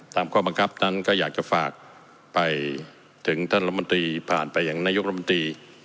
ข้อบังคับนั้นก็อยากจะฝากไปถึงท่านรัฐมนตรีผ่านไปอย่างนายกรมตรี